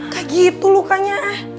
kayak gitu lukanya